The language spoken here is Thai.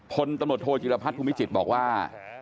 พลตำรวจโทจิรพัฒนภูมิจิตรบอกว่า